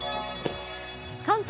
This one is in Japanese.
関東